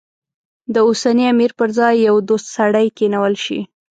د اوسني امیر پر ځای یو دوست سړی کېنول شي.